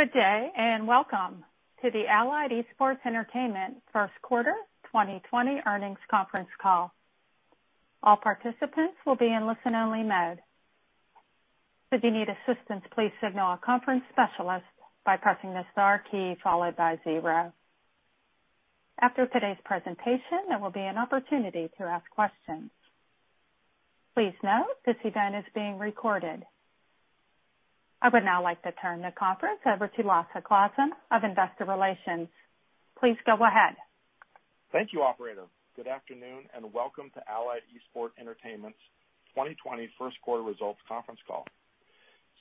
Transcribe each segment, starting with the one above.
Good day, welcome to the Allied Esports Entertainment first quarter 2020 earnings conference call. All participants will be in listen-only mode. If you need assistance, please signal a conference specialist by pressing the star key followed by zero. After today's presentation, there will be an opportunity to ask questions. Please note this event is being recorded. I would now like to turn the conference over to Lasse Glassen of Investor Relations. Please go ahead. Thank you, operator. Good afternoon, and welcome to Allied Esports Entertainment's 2020 first quarter results conference call.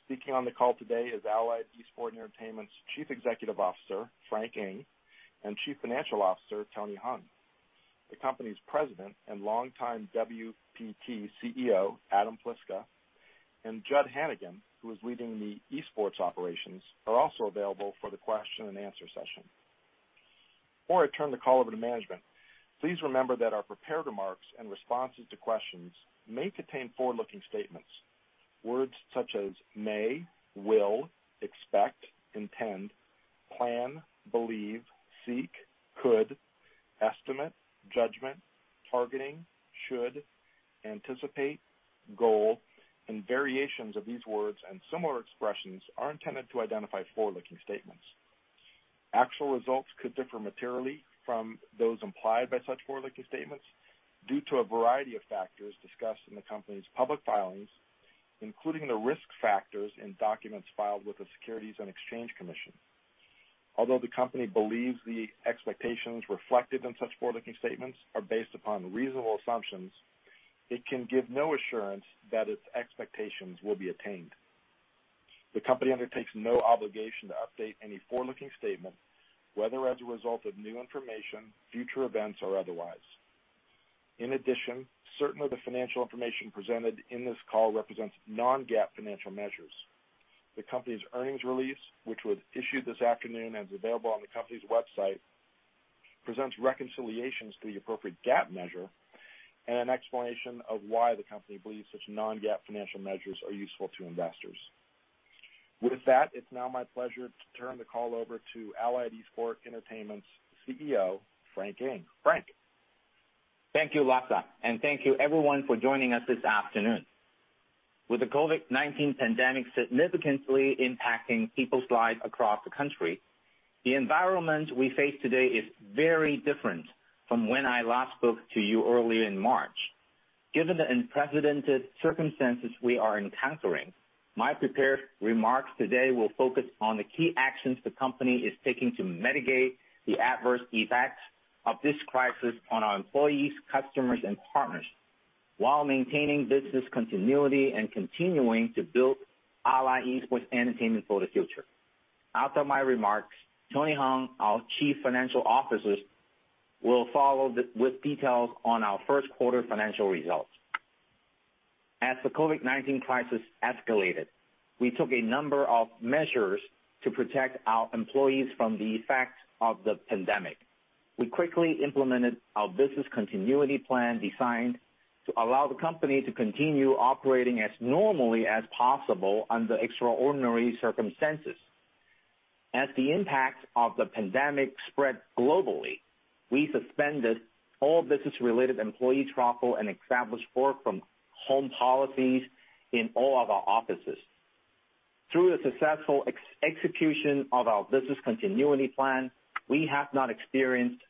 Speaking on the call today is Allied Esports Entertainment's Chief Executive Officer, Frank Ng, and Chief Financial Officer, Tony Hung. The company's President and longtime WPT CEO, Adam Pliska, and Jud Hannigan, who is leading the Esports Operations, are also available for the question and answer session. Before I turn the call over to management, please remember that our prepared remarks and responses to questions may contain forward-looking statements. Words such as may, will, expect, intend, plan, believe, seek, could, estimate, judgment, targeting, should, anticipate, goal, and variations of these words and similar expressions are intended to identify forward-looking statements. Actual results could differ materially from those implied by such forward-looking statements due to a variety of factors discussed in the company's public filings, including the risk factors in documents filed with the Securities and Exchange Commission. Although the company believes the expectations reflected in such forward-looking statements are based upon reasonable assumptions, it can give no assurance that its expectations will be attained. The company undertakes no obligation to update any forward-looking statement, whether as a result of new information, future events, or otherwise. In addition, certain of the financial information presented in this call represents non-GAAP financial measures. The company's earnings release, which was issued this afternoon and is available on the company's website, presents reconciliations to the appropriate GAAP measure and an explanation of why the company believes such non-GAAP financial measures are useful to investors. With that, it's now my pleasure to turn the call over to Allied Esports Entertainment's CEO, Frank Ng. Frank. Thank you, Lasse, and thank you everyone for joining us this afternoon. With the COVID-19 pandemic significantly impacting people's lives across the country, the environment we face today is very different from when I last spoke to you earlier in March. Given the unprecedented circumstances we are encountering, my prepared remarks today will focus on the key actions the company is taking to mitigate the adverse effects of this crisis on our employees, customers, and partners while maintaining business continuity and continuing to build Allied Esports Entertainment for the future. After my remarks, Tony Hung, our Chief Financial Officer, will follow with details on our first quarter financial results. As the COVID-19 crisis escalated, we took a number of measures to protect our employees from the effects of the pandemic. We quickly implemented our business continuity plan designed to allow the company to continue operating as normally as possible under extraordinary circumstances. As the impact of the pandemic spread globally, we suspended all business-related employee travel and established work-from-home policies in all of our offices. Through the successful execution of our business continuity plan, we have not experienced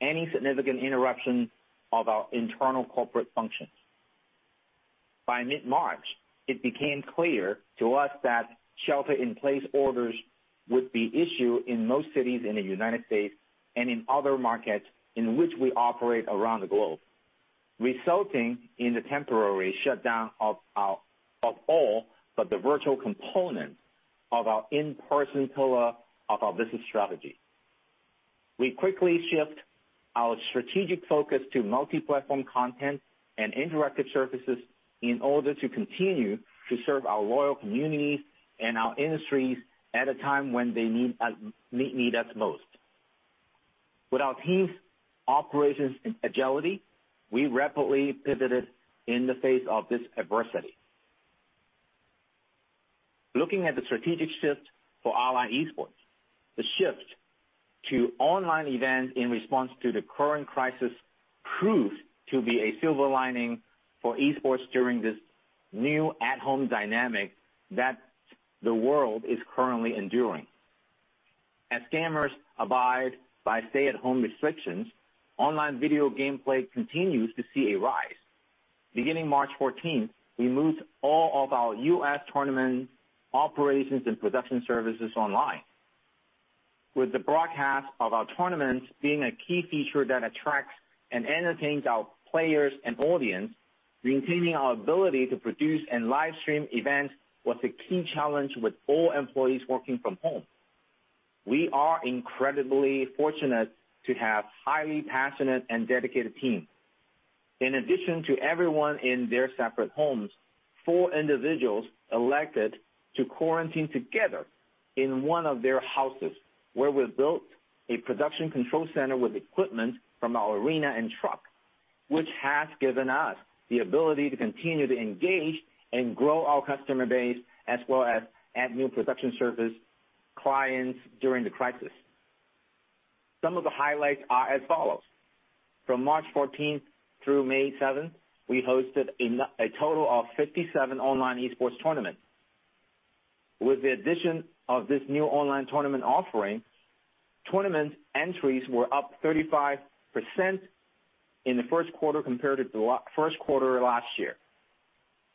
any significant interruption of our internal corporate functions. By mid-March, it became clear to us that shelter-in-place orders would be issued in most cities in the United States and in other markets in which we operate around the globe, resulting in the temporary shutdown of all but the virtual component of our in-person pillar of our business strategy. We quickly shift our strategic focus to multi-platform content and interactive services in order to continue to serve our loyal community and our industries at a time when they need us most. With our team's operations and agility, we rapidly pivoted in the face of this adversity. Looking at the strategic shift for Allied Esports, the shift to online events in response to the current crisis proved to be a silver lining for esports during this new at-home dynamic that the world is currently enduring. As gamers abide by stay-at-home restrictions, online video gameplay continues to see a rise. Beginning March 14th, we moved all of our U.S. tournament operations and production services online. With the broadcast of our tournaments being a key feature that attracts and entertains our players and audience, maintaining our ability to produce and live stream events was a key challenge with all employees working from home. We are incredibly fortunate to have highly passionate and dedicated teams. In addition to everyone in their separate homes, four individuals elected to quarantine together in one of their houses, where we built a production control center with equipment from our arena and truck, which has given us the ability to continue to engage and grow our customer base as well as add new production service clients during the crisis. Some of the highlights are as follows. From March 14th through May 7th, we hosted a total of 57 online esports tournaments. With the addition of this new online tournament offering, tournaments entries were up 35% in the first quarter compared to first quarter of last year.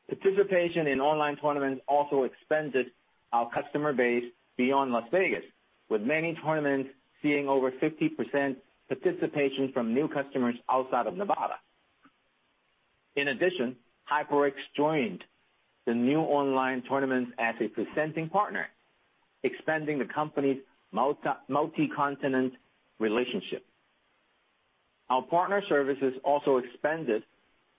Participation in online tournaments also expanded our customer base beyond Las Vegas, with many tournaments seeing over 50% participation from new customers outside of Nevada. In addition, HyperX joined the new online tournaments as a presenting partner, expanding the company's multi-continent relationship. Our partner services also expanded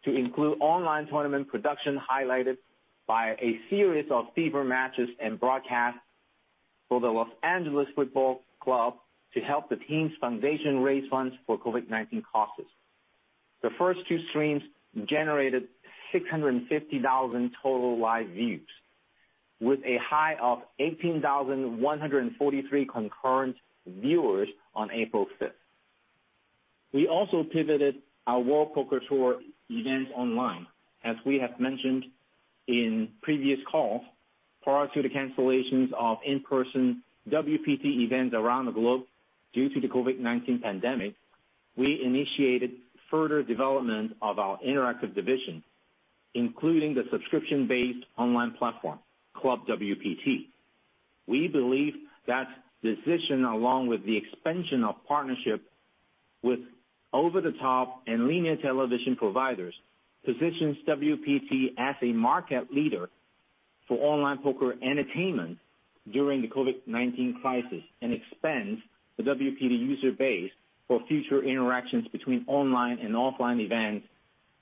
to include online tournament production, highlighted by a series of FIFA matches and broadcasts for the Los Angeles Football Club to help the team's foundation raise funds for COVID-19 causes. The first two streams generated 650,000 total live views, with a high of 18,143 concurrent viewers on April 5th. We also pivoted our World Poker Tour events online. As we have mentioned in previous calls, prior to the cancellations of in-person WPT events around the globe due to the COVID-19 pandemic, we initiated further development of our interactive division, including the subscription-based online platform, ClubWPT. We believe that decision, along with the expansion of partnership with over-the-top and linear television providers, positions WPT as a market leader for online poker entertainment during the COVID-19 crisis and expands the WPT user base for future interactions between online and offline events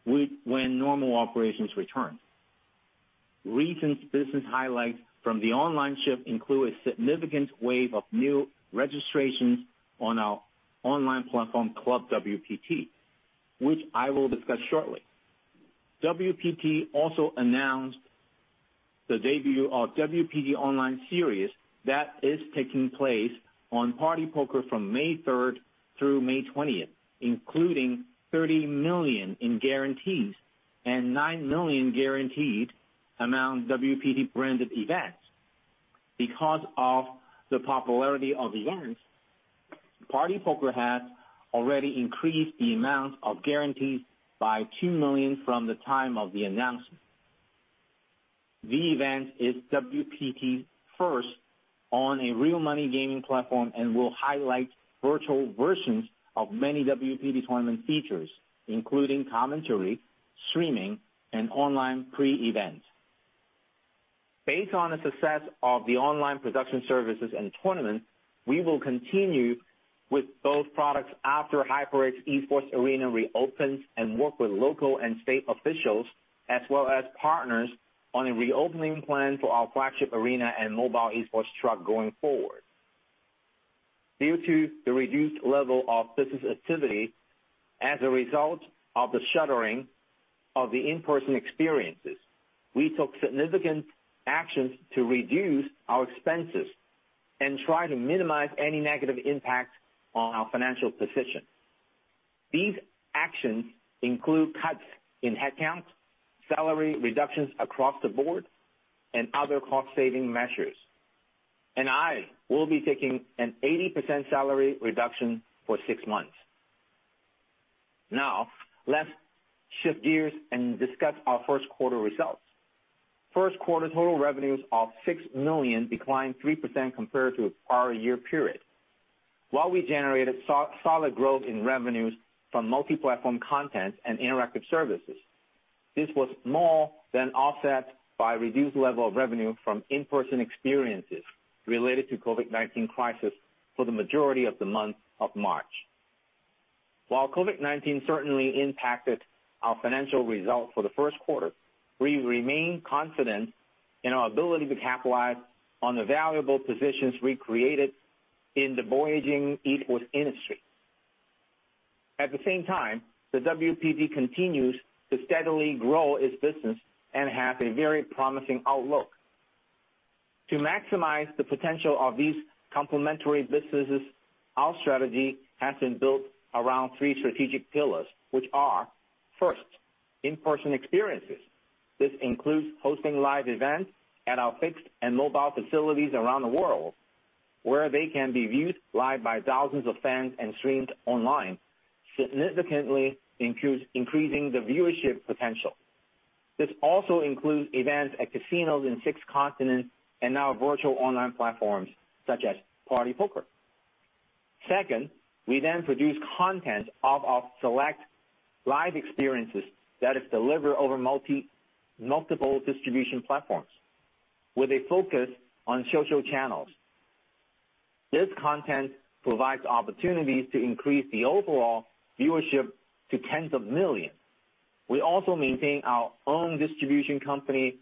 when normal operations return. Recent business highlights from the online shift include a significant wave of new registrations on our online platform, ClubWPT, which I will discuss shortly. WPT also announced the debut of WPT Online Series that is taking place on partypoker from May 3rd through May 20th, including $30 million in guarantees and $9 million guaranteed among WPT-branded events. Because of the popularity of events, partypoker has already increased the amount of guarantees by $2 million from the time of the announcement. The event is WPT's first on a real money gaming platform and will highlight virtual versions of many WPT tournament features, including commentary, streaming, and online pre-event. Based on the success of the online production services and tournaments, we will continue with both products after HyperX Esports Arena reopens and work with local and state officials as well as partners on a reopening plan for our flagship arena and mobile Esports Truck going forward. Due to the reduced level of business activity as a result of the shuttering of the in-person experiences, we took significant actions to reduce our expenses and try to minimize any negative impact on our financial position. These actions include cuts in headcount, salary reductions across the board, and other cost-saving measures, and I will be taking an 80% salary reduction for six months. Let's shift gears and discuss our first quarter results. First quarter total revenues of $6 million declined 3% compared to its prior year period. While we generated solid growth in revenues from multi-platform content and interactive services, this was more than offset by reduced level of revenue from in-person experiences related to COVID-19 crisis for the majority of the month of March. While COVID-19 certainly impacted our financial results for the first quarter, we remain confident in our ability to capitalize on the valuable positions we created in the burgeoning esports industry. At the same time, the WPT continues to steadily grow its business and has a very promising outlook. To maximize the potential of these complementary businesses, our strategy has been built around three strategic pillars, which are, first, in-person experiences. This includes hosting live events at our fixed and mobile facilities around the world where they can be viewed live by thousands of fans and streamed online, significantly increasing the viewership potential. This also includes events at casinos in six continents and our virtual online platforms such as partypoker. Second, we produce content of our select live experiences that is delivered over multiple distribution platforms with a focus on social channels. This content provides opportunities to increase the overall viewership to tens of millions. We also maintain our own distribution company,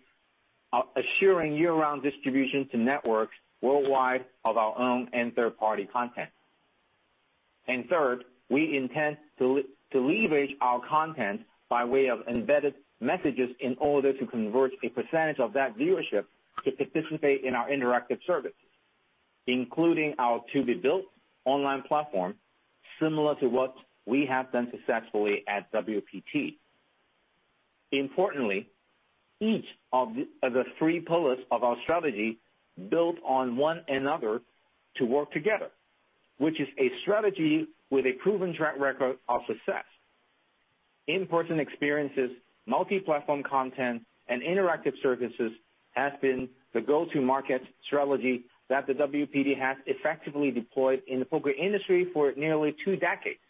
assuring year-round distribution to networks worldwide of our own and third-party content. Third, we intend to leverage our content by way of embedded messages in order to convert a percentage of that viewership to participate in our interactive service, including our to-be-built online platform, similar to what we have done successfully at WPT. Importantly, each of the three pillars of our strategy build on one another to work together, which is a strategy with a proven track record of success. In-person experiences, multi-platform content, and interactive services has been the go-to market strategy that the WPT has effectively deployed in the poker industry for nearly two decades.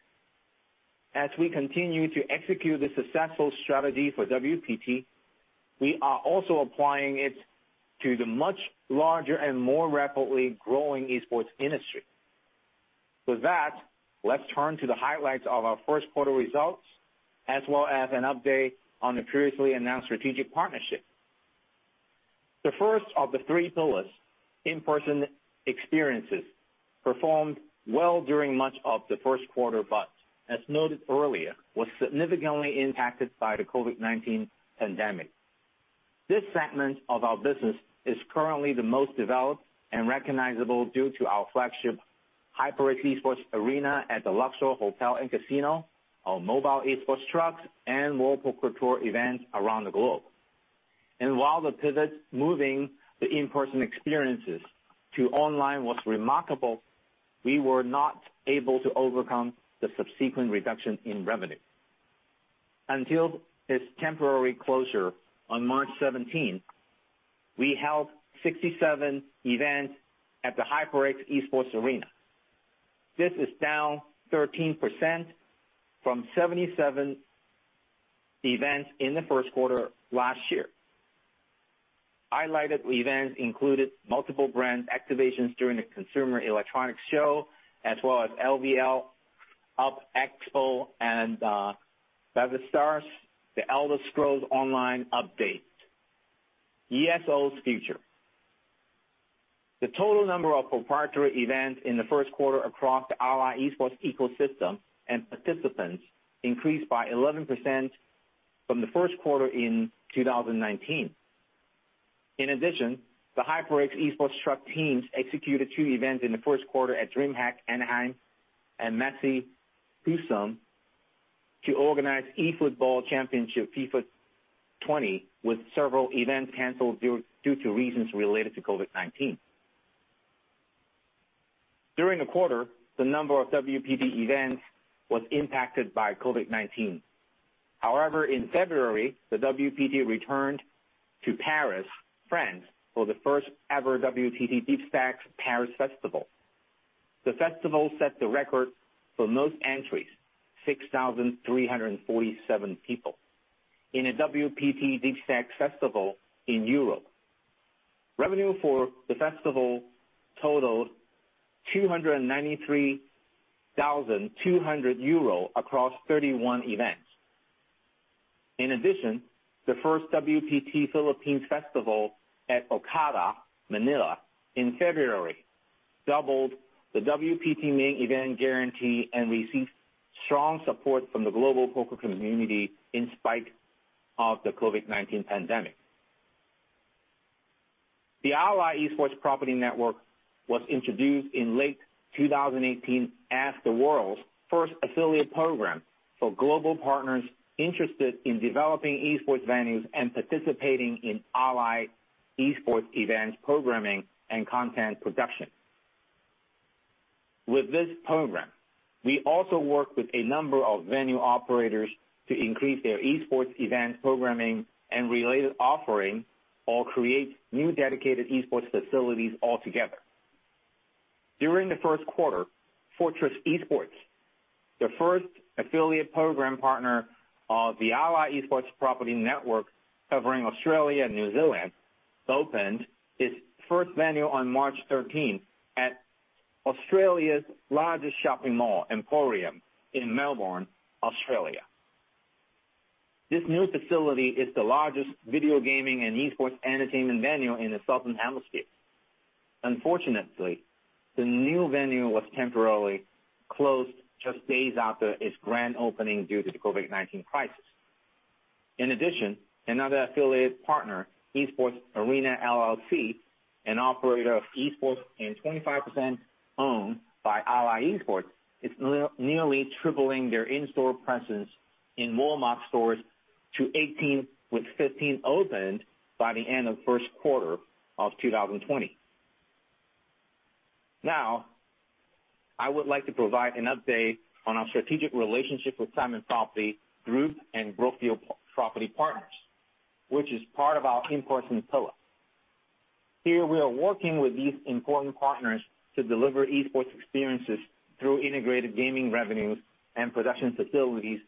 As we continue to execute the successful strategy for WPT, we are also applying it to the much larger and more rapidly growing esports industry. With that, let's turn to the highlights of our first quarter results, as well as an update on the previously announced strategic partnership. The first of the three pillars, in-person experiences, performed well during much of the first quarter, but as noted earlier, was significantly impacted by the COVID-19 pandemic. This segment of our business is currently the most developed and recognizable due to our flagship HyperX Esports Arena at the Luxor Hotel & Casino, our mobile esports trucks, and World Poker Tour events around the globe. While the pivot moving the in-person experiences to online was remarkable, we were not able to overcome the subsequent reduction in revenue. Until its temporary closure on March 17, we held 67 events at the HyperX Esports Arena. This is down 13% from 77 events in the first quarter last year. Highlighted events included multiple brand activations during the Consumer Electronics Show, as well as LVL UP Expo and Bethesda's The Elder Scrolls Online update, ESO's Future. The total number of proprietary events in the first quarter across the Allied Esports ecosystem and participants increased by 11% from the first quarter in 2019. The HyperX Esports Truck teams executed two events in the first quarter at DreamHack Anaheim and Messi PSAM to organize eFootball Championship FIFA 20 with several events canceled due to reasons related to COVID-19. During the quarter, the number of WPT events was impacted by COVID-19. In February, the WPT returned to Paris, France, for the first-ever WPT DeepStacks Paris Festival. The festival set the record for most entries, 6,347 people, in a WPT DeepStacks Festival in Europe. Revenue for the festival totaled 293,200 euro across 31 events. The first WPT Philippines Festival at Okada Manila in February doubled the WPT Main Event guarantee and received strong support from the global poker community in spite of the COVID-19 pandemic. The Allied Esports Property Network was introduced in late 2018 as the world's first affiliate program for global partners interested in developing esports venues and participating in Allied Esports event programming and content production. With this program, we also work with a number of venue operators to increase their esports event programming and related offering or create new dedicated esports facilities altogether. During the first quarter, Fortress Esports, the first affiliate program partner of the Allied Esports Property Network covering Australia and New Zealand, opened its first venue on March 13th at Australia's largest shopping mall, Emporium in Melbourne, Australia. This new facility is the largest video gaming and esports entertainment venue in the Southern Hemisphere. Unfortunately, the new venue was temporarily closed just days after its grand opening due to the COVID-19 crisis. In addition, another affiliate partner, Esports Arena LLC, an operator of esports and 25% owned by Allied Esports, is nearly tripling their in-store presence in Walmart stores to 18, with 15 opened by the end of first quarter of 2020. Now, I would like to provide an update on our strategic relationship with Simon Property Group and Brookfield Property Partners, which is part of our in-person pillar. Here, we are working with these important partners to deliver esports experiences through integrated gaming revenues and production facilities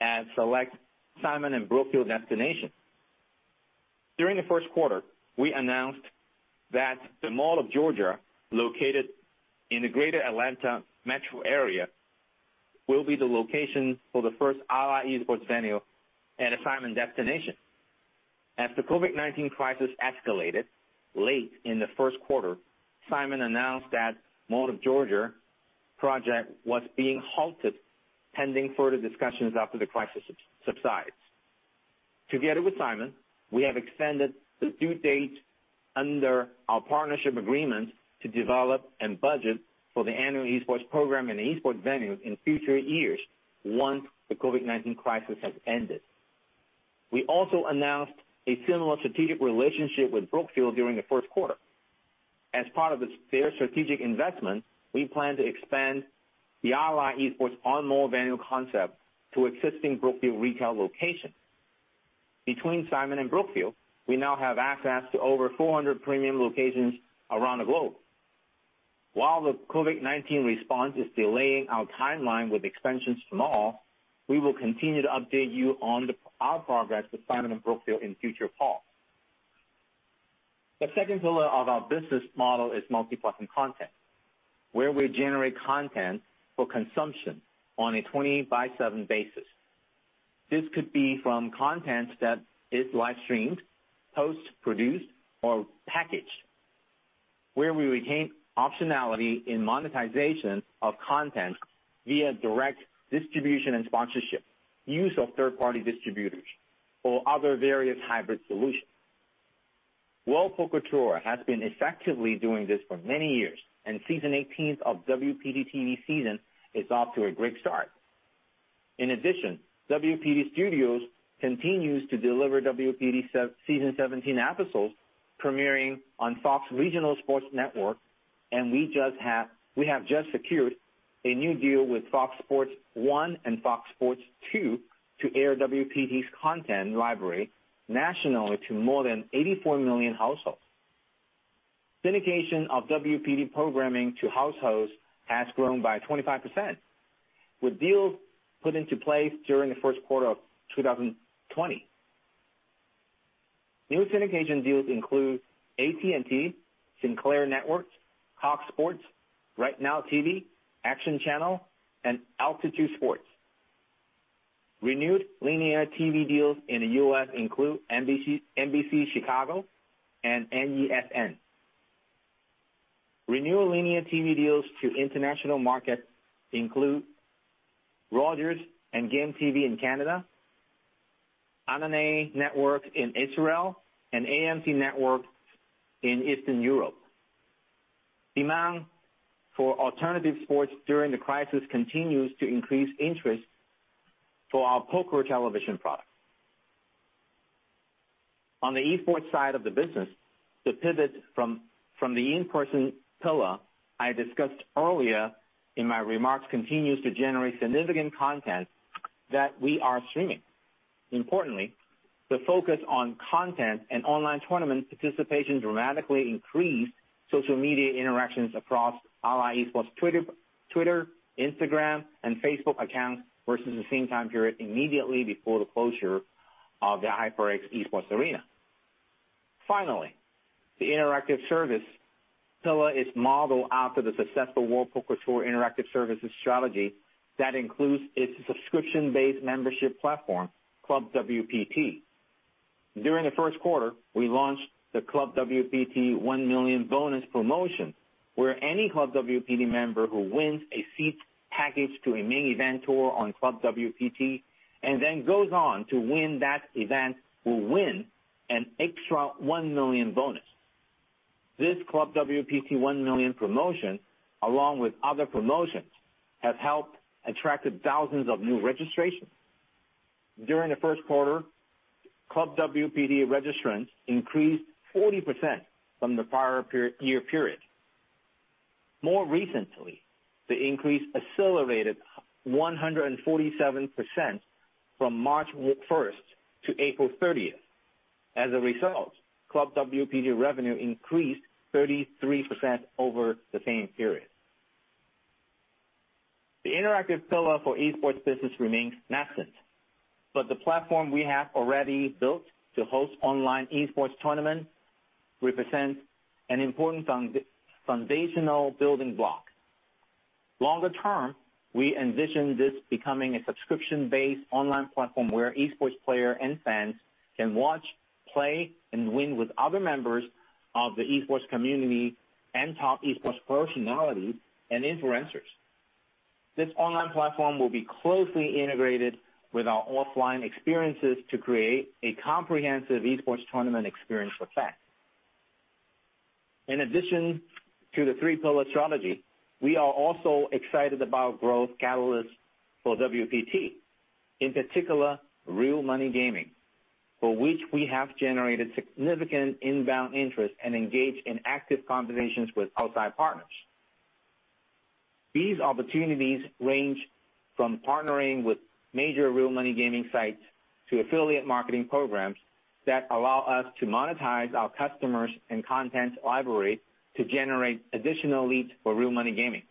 at select Simon and Brookfield destinations. During the first quarter, we announced that the Mall of Georgia, located in the Greater Atlanta Metro area, will be the location for the first Allied Esports Venue at a Simon destination. As the COVID-19 crisis escalated late in the first quarter, Simon announced that Mall of Georgia project was being halted pending further discussions after the crisis subsides. Together with Simon, we have extended the due date under our partnership agreements to develop and budget for the annual esports program and the esports venues in future years, once the COVID-19 crisis has ended. We also announced a similar strategic relationship with Brookfield during the first quarter. As part of their strategic investment, we plan to expand the Allied Esports on mall venue concept to existing Brookfield retail locations. Between Simon and Brookfield, we now have access to over 400 premium locations around the globe. While the COVID-19 response is delaying our timeline with expansions to mall, we will continue to update you on our progress with Simon and Brookfield in future calls. The second pillar of our business model is multi-platform content, where we generate content for consumption on a 20 by seven basis. This could be from content that is live-streamed, post-produced, or packaged, where we retain optionality in monetization of content via direct distribution and sponsorship, use of third-party distributors, or other various hybrid solutions. World Poker Tour has been effectively doing this for many years, and season 18 of WPT TV season is off to a great start. In addition, WPT Studios continues to deliver WPT season 17 episodes premiering on Fox Sports Networks, and we have just secured a new deal with Fox Sports 1 and Fox Sports 2 to air WPT's content library nationally to more than 84 million households. Syndication of WPT programming to households has grown by 25%, with deals put into place during the first quarter of 2020. New syndication deals include AT&T, Sinclair Networks, Cox Sports, RightNow TV, Action Channel, and Altitude Sports. Renewed linear TV deals in the U.S. include NBC Chicago and NESN. Renewed linear TV deals to international markets include Rogers and GameTV in Canada, Ananey Network in Israel, and AMC Network in Eastern Europe. Demand for alternative sports during the crisis continues to increase interest for our poker television product. On the esports side of the business, the pivot from the in-person pillar, I discussed earlier in my remarks continues to generate significant content that we are streaming. Importantly, the focus on content and online tournament participation dramatically increased social media interactions across Allied Esports Twitter, Instagram, and Facebook accounts versus the same time period immediately before the closure of the HyperX Esports Arena. Finally, the interactive service pillar is modeled after the successful World Poker Tour interactive services strategy that includes its subscription-based membership platform, ClubWPT. During the first quarter, we launched the ClubWPT $1,000,000 Bonus promotion, where any ClubWPT member who wins a seat package to a main event tour on ClubWPT and then goes on to win that event will win an extra $1 million bonus. This ClubWPT $1,000,000 promotion, along with other promotions, has helped attracted thousands of new registrations. During the first quarter, ClubWPT registrants increased 40% from the prior year period. More recently, the increase accelerated 147% from March 1st to April 30th. As a result, ClubWPT revenue increased 33% over the same period. The interactive pillar for esports business remains nascent, but the platform we have already built to host online esports tournaments represents an important foundational building block. Longer term, we envision this becoming a subscription-based online platform where esports player and fans can watch, play, and win with other members of the esports community and top esports personalities and influencers. This online platform will be closely integrated with our offline experiences to create a comprehensive esports tournament experience for fans. In addition to the three-pillar strategy, we are also excited about growth catalyst for WPT, in particular, real money gaming, for which we have generated significant inbound interest and engaged in active conversations with outside partners. These opportunities range from partnering with major real money gaming sites to affiliate marketing programs that allow us to monetize our customers and content library to generate additional leads for real money gaming.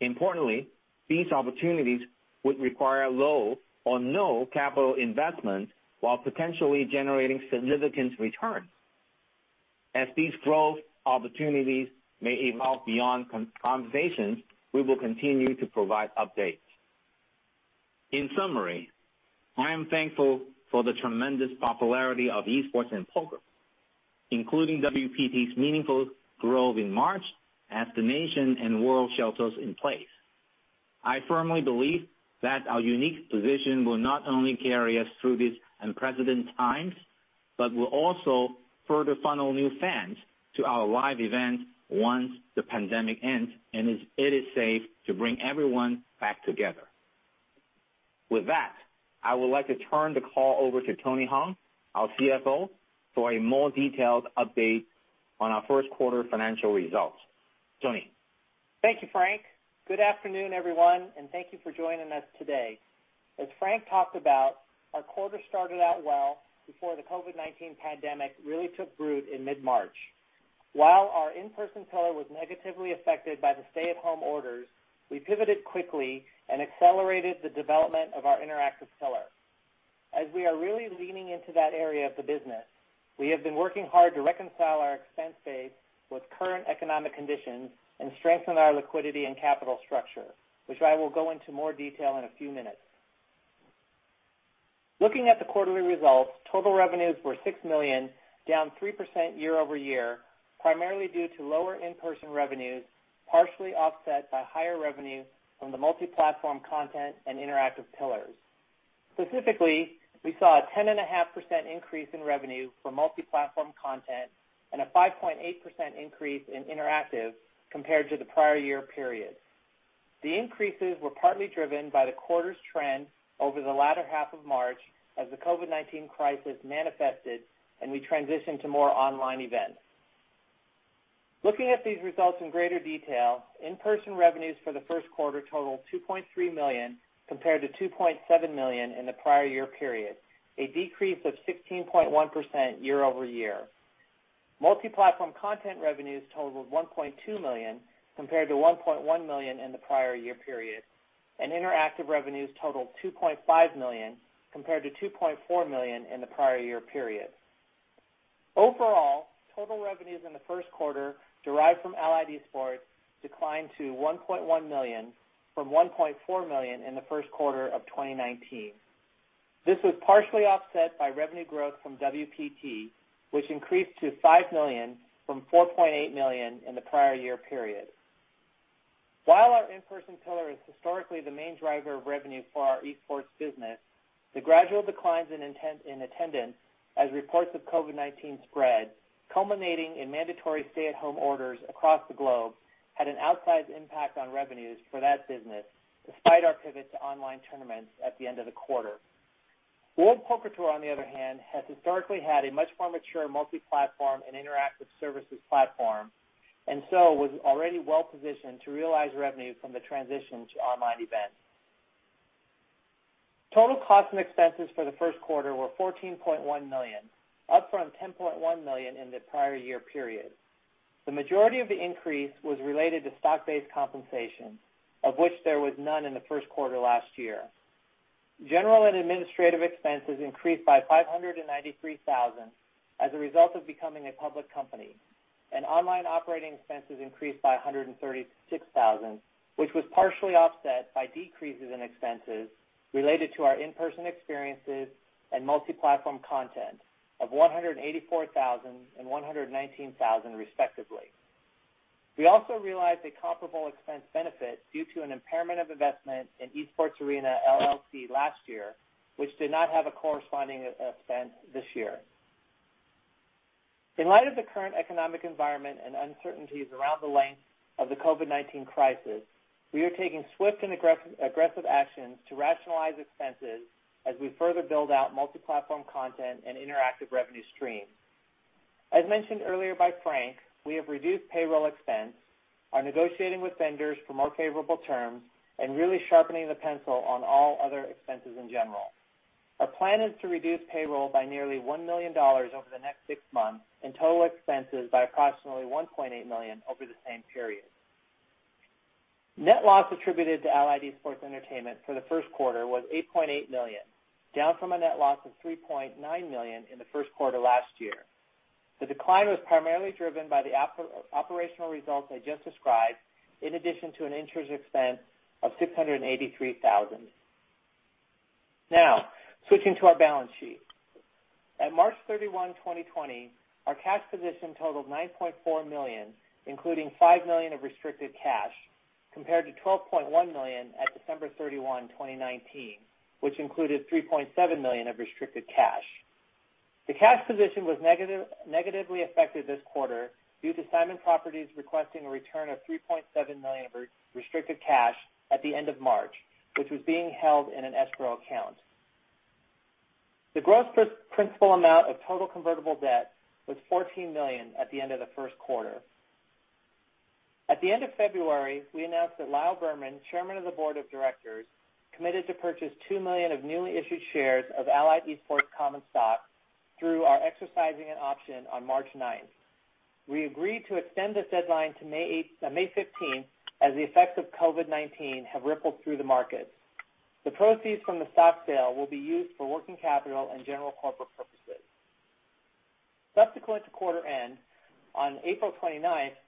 Importantly, these opportunities would require low or no capital investment while potentially generating significant returns. As these growth opportunities may evolve beyond conversations, we will continue to provide updates. In summary, I am thankful for the tremendous popularity of esports and poker, including WPT's meaningful growth in March as the nation and world shelters in place. I firmly believe that our unique position will not only carry us through these unprecedented times, but will also further funnel new fans to our live events once the pandemic ends and it is safe to bring everyone back together. With that, I would like to turn the call over to Tony Hung, our CFO, for a more detailed update on our first quarter financial results. Tony? Thank you, Frank. Good afternoon, everyone, and thank you for joining us today. As Frank talked about, our quarter started out well before the COVID-19 pandemic really took root in mid-March. While our in-person pillar was negatively affected by the stay-at-home orders, we pivoted quickly and accelerated the development of our interactive pillar. As we are really leaning into that area of the business, we have been working hard to reconcile our expense base with current economic conditions and strengthen our liquidity and capital structure, which I will go into more detail in a few minutes. Looking at the quarterly results, total revenues were $6 million, down 3% year-over-year, primarily due to lower in-person revenues, partially offset by higher revenue from the multi-platform content and interactive pillars. Specifically, we saw a 10.5% increase in revenue for multi-platform content and a 5.8% increase in interactive compared to the prior year period. The increases were partly driven by the quarter's trend over the latter half of March as the COVID-19 crisis manifested and we transitioned to more online events. Looking at these results in greater detail, in-person revenues for the first quarter totaled $2.3 million compared to $2.7 million in the prior year period, a decrease of 16.1% year-over-year. Multi-platform content revenues totaled $1.2 million compared to $1.1 million in the prior year period, and interactive revenues totaled $2.5 million compared to $2.4 million in the prior year period. Overall, total revenues in the first quarter derived from Allied Esports declined to $1.1 million from $1.4 million in the first quarter of 2019. This was partially offset by revenue growth from WPT, which increased to $5 million from $4.8 million in the prior year period. While our in-person pillar is historically the main driver of revenue for our esports business, the gradual declines in attendance as reports of COVID-19 spread, culminating in mandatory stay-at-home orders across the globe, had an outsized impact on revenues for that business, despite our pivot to online tournaments at the end of the quarter. World Poker Tour, on the other hand, has historically had a much more mature multi-platform and interactive services platform, was already well-positioned to realize revenue from the transition to online events. Total costs and expenses for the first quarter were $14.1 million, up from $10.1 million in the prior year period. The majority of the increase was related to stock-based compensation, of which there was none in the first quarter last year. General and administrative expenses increased by $593,000 as a result of becoming a public company, online operating expenses increased by $136,000, which was partially offset by decreases in expenses related to our in-person experiences and multi-platform content of $184,000 and $119,000, respectively. We also realized a comparable expense benefit due to an impairment of investment in Esports Arena LLC last year, which did not have a corresponding expense this year. In light of the current economic environment and uncertainties around the length of the COVID-19 crisis, we are taking swift and aggressive actions to rationalize expenses as we further build out multi-platform content and interactive revenue streams. As mentioned earlier by Frank, we have reduced payroll expense, are negotiating with vendors for more favorable terms, and really sharpening the pencil on all other expenses in general. Our plan is to reduce payroll by nearly $1 million over the next six months and total expenses by approximately $1.8 million over the same period. Net loss attributed to Allied Esports Entertainment for the first quarter was $8.8 million, down from a net loss of $3.9 million in the first quarter last year. The decline was primarily driven by the operational results I just described, in addition to an interest expense of $683,000. Now, switching to our balance sheet. At March 31, 2020, our cash position totaled $9.4 million, including $5 million of restricted cash, compared to $12.1 million at December 31, 2019, which included $3.7 million of restricted cash. The cash position was negatively affected this quarter due to Simon Properties requesting a return of $3.7 million of restricted cash at the end of March, which was being held in an escrow account. The gross principal amount of total convertible debt was $14 million at the end of the first quarter. At the end of February, we announced that Lyle Berman, Chairman of the Board of Directors, committed to purchase $2 million of newly issued shares of Allied Esports common stock through our exercising an option on March 9th. We agreed to extend this deadline to May 15th as the effects of COVID-19 have rippled through the markets. The proceeds from the stock sale will be used for working capital and general corporate purposes. Subsequent to quarter end, on April 29th,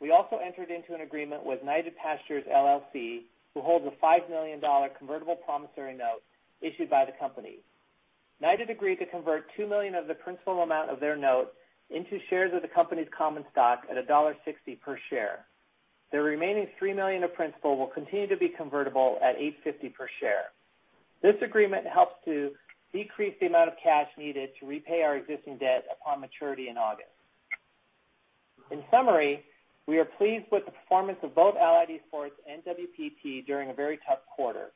we also entered into an agreement with Knighted Pastures LLC, who holds a $5 million convertible promissory note issued by the company. Knighted agreed to convert $2 million of the principal amount of their note into shares of the company's common stock at $1.60 per share. The remaining $3 million of principal will continue to be convertible at $8.50 per share. This agreement helps to decrease the amount of cash needed to repay our existing debt upon maturity in August. In summary, we are pleased with the performance of both Allied Esports and WPT during a very tough quarter.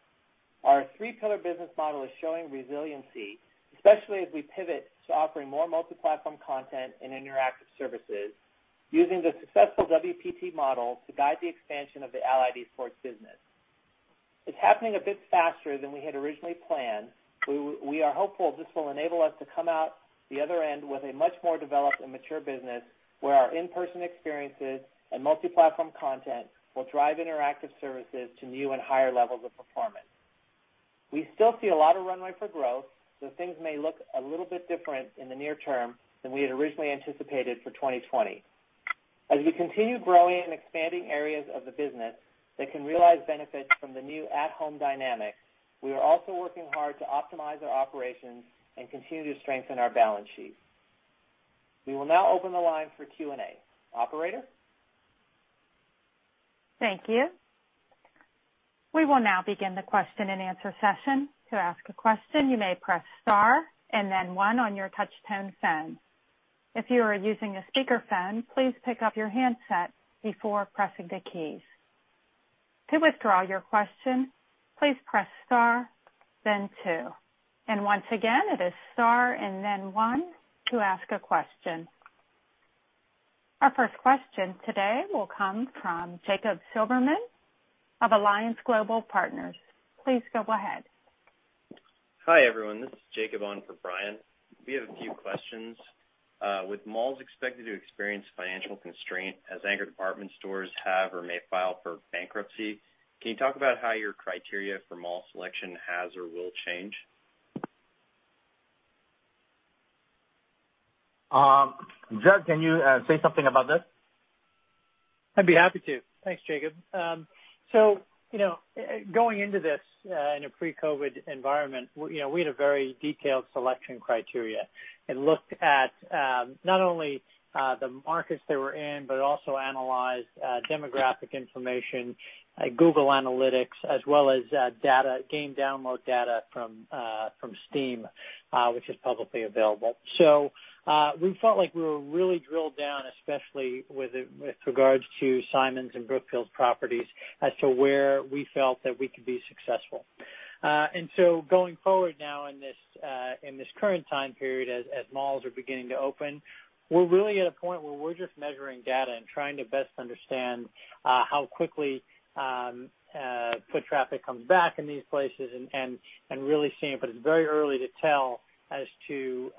Our three-pillar business model is showing resiliency, especially as we pivot to offering more multi-platform content and interactive services using the successful WPT model to guide the expansion of the Allied Esports business. It's happening a bit faster than we had originally planned. We are hopeful this will enable us to come out the other end with a much more developed and mature business where our in-person experiences and multi-platform content will drive interactive services to new and higher levels of performance. We still see a lot of runway for growth, though things may look a little bit different in the near term than we had originally anticipated for 2020. As we continue growing and expanding areas of the business that can realize benefits from the new at-home dynamics, we are also working hard to optimize our operations and continue to strengthen our balance sheet. We will now open the line for Q&A. Operator? Thank you. We will now begin the question-and-answer session. To ask a question, you may press star and then one on your touch-tone phone. If you are using a speakerphone, please pick up your handset before pressing the keys. To withdraw your question, please press star, then two. Once again, it is star and then one to ask a question. Our first question today will come from Jacob Silverman of Alliance Global Partners. Please go ahead. Hi, everyone. This is Jacob on for Brian. We have a few questions. With malls expected to experience financial constraint as anchor department stores have or may file for bankruptcy, can you talk about how your criteria for mall selection has or will change? Jud, can you say something about this? I'd be happy to. Thanks, Jacob. Going into this in a pre-COVID environment, we had a very detailed selection criteria. It looked at not only the markets they were in, but also analyzed demographic information, Google Analytics, as well as game download data from Steam, which is publicly available. We felt like we were really drilled down, especially with regards to Simon's and Brookfield's properties as to where we felt that we could be successful. Going forward now in this current time period as malls are beginning to open, we're really at a point where we're just measuring data and trying to best understand how quickly foot traffic comes back in these places. It's very early to tell as to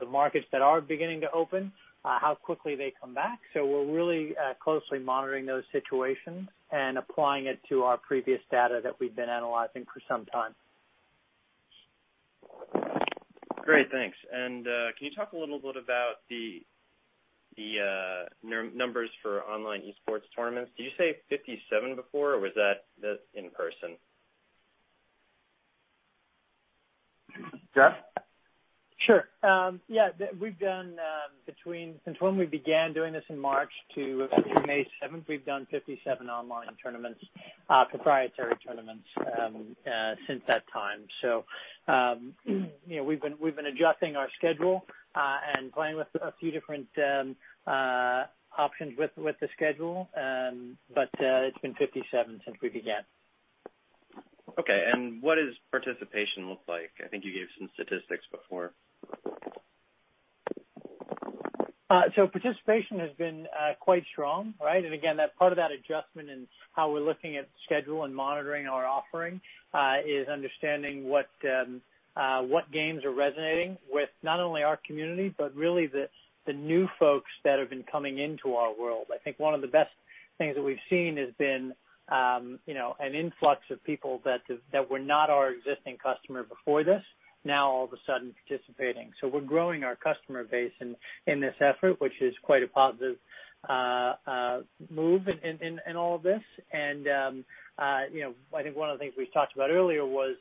the markets that are beginning to open how quickly they come back. We're really closely monitoring those situations and applying it to our previous data that we've been analyzing for some time. Great. Thanks. Can you talk a little bit about the numbers for online esports tournaments? Did you say 57 before, or was that in person? Jud? Sure. Yeah, since when we began doing this in March to May 7th, we've done 57 online tournaments, proprietary tournaments, since that time. We've been adjusting our schedule, and playing with a few different options with the schedule. It's been 57 since we began. Okay. What does participation look like? I think you gave some statistics before. Participation has been quite strong. Right? Again, part of that adjustment in how we're looking at schedule and monitoring our offering, is understanding what games are resonating with not only our community, but really the new folks that have been coming into our world. I think one of the best things that we've seen has been an influx of people that were not our existing customer before this, now all of a sudden participating. We're growing our customer base in this effort, which is quite a positive move in all of this. I think one of the things we talked about earlier was,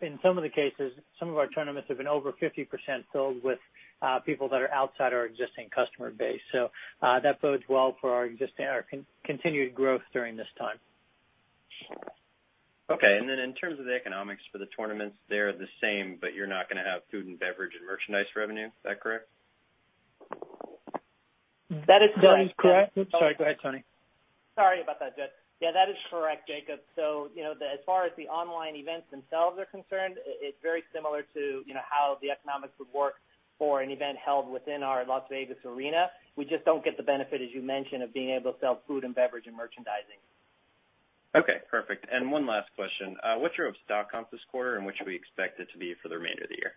in some of the cases, some of our tournaments have been over 50% filled with people that are outside our existing customer base. That bodes well for our continued growth during this time. Okay. In terms of the economics for the tournaments, they're the same, but you're not going to have food and beverage and merchandise revenue. Is that correct? That is correct. That is correct. I'm sorry. Go ahead, Tony. Sorry about that, Jud. Yeah, that is correct, Jacob. As far as the online events themselves are concerned, it's very similar to how the economics would work for an event held within our Las Vegas arena. We just don't get the benefit, as you mentioned, of being able to sell food and beverage and merchandising. Okay, perfect. One last question. What's your stock comp this quarter, and what should we expect it to be for the remainder of the year?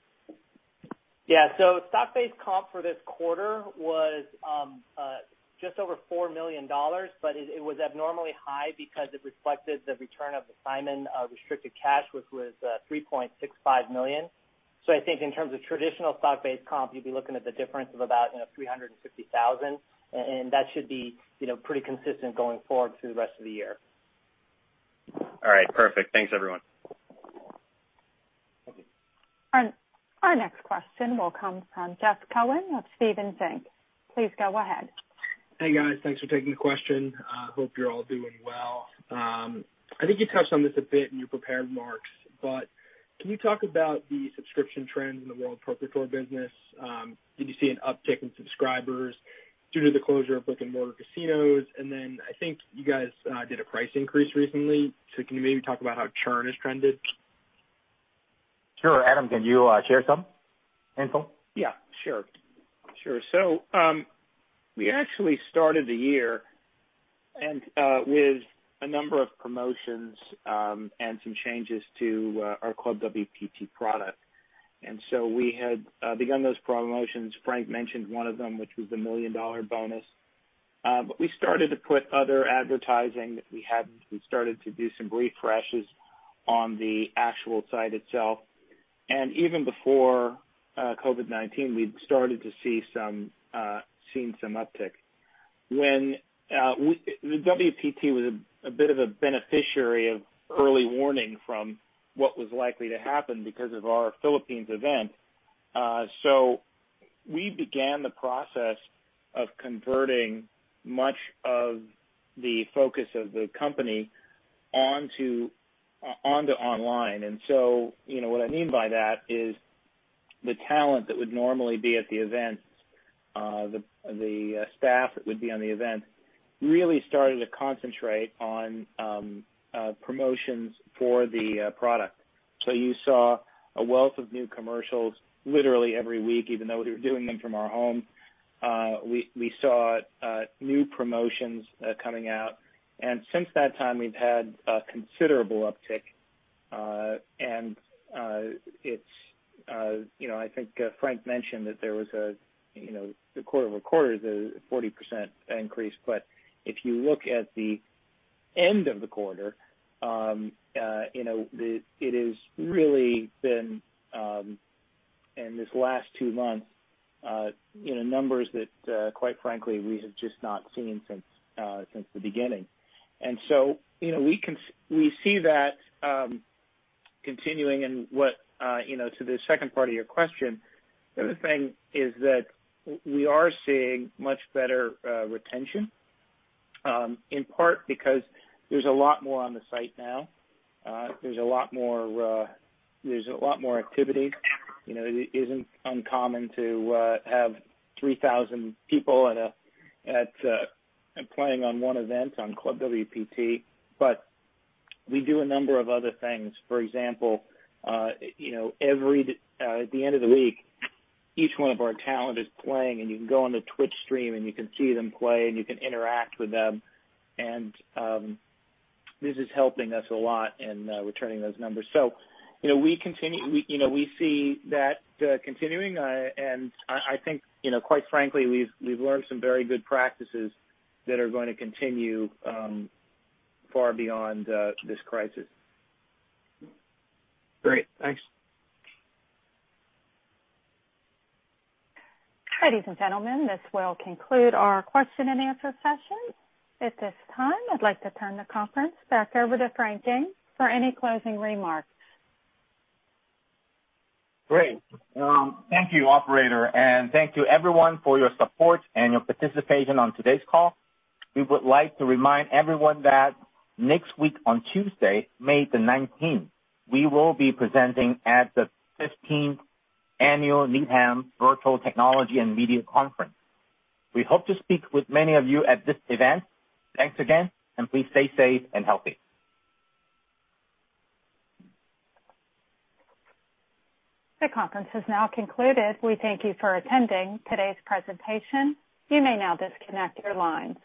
Yeah. Stock-based comp for this quarter was just over $4 million. It was abnormally high because it reflected the return of the Simon restricted cash, which was $3.65 million. I think in terms of traditional stock-based comp, you'd be looking at the difference of about $350,000, and that should be pretty consistent going forward through the rest of the year. All right, perfect. Thanks, everyone. Thank you. Our next question will come from Jeff Cohen of Stephens Inc. Please go ahead. Hey, guys. Thanks for taking the question. Hope you're all doing well. I think you touched on this a bit in your prepared remarks. Can you talk about the subscription trends in the walled proprietary business? Did you see an uptick in subscribers due to the closure of brick-and-mortar casinos? I think you guys did a price increase recently. Can you maybe talk about how churn has trended? Sure. Adam, can you share some info? Yeah, sure. We actually started the year and with a number of promotions and some changes to our ClubWPT product. We had begun those promotions. Frank mentioned one of them, which was the million-dollar bonus. We started to put other advertising that we hadn't. We started to do some refreshes on the actual site itself. Even before COVID-19, we'd started to see some uptick. The WPT was a bit of a beneficiary of early warning from what was likely to happen because of our Philippines event. We began the process of converting much of the focus of the company onto online. What I mean by that is the talent that would normally be at the events, the staff that would be on the event, really started to concentrate on promotions for the product. You saw a wealth of new commercials, literally every week, even though we were doing them from our home. We saw new promotions coming out. Since that time, we've had a considerable uptick. I think Frank mentioned that there was, quarter-over-quarter, there was a 40% increase. If you look at the end of the quarter, it has really been, in these last two months, numbers that, quite frankly, we have just not seen since the beginning. We see that continuing and what to the second part of your question, the other thing is that we are seeing much better retention, in part because there's a lot more on the site now. There's a lot more activity. It isn't uncommon to have 3,000 people playing on one event on ClubWPT. We do a number of other things. For example, at the end of the week, each one of our talent is playing, and you can go on the Twitch stream, and you can see them play, and you can interact with them. This is helping us a lot in returning those numbers. We see that continuing, and I think, quite frankly, we've learned some very good practices that are going to continue far beyond this crisis. Great. Thanks. Ladies and gentlemen, this will conclude our question and answer session. At this time, I'd like to turn the conference back over to Frank Ng for any closing remarks. Great. Thank you, operator. Thank you everyone for your support and your participation on today's call. We would like to remind everyone that next week, on Tuesday, May the 19th, we will be presenting at the 15th Annual Needham Virtual Technology and Media Conference. We hope to speak with many of you at this event. Thanks again. Please stay safe and healthy. The conference has now concluded. We thank you for attending today's presentation. You may now disconnect your lines.